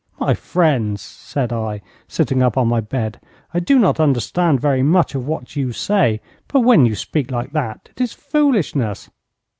'My friends,' said I, sitting up on my bed, 'I do not understand very much of what you say, but when you speak like that it is foolishness.